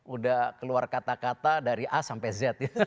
udah keluar kata kata dari a sampai z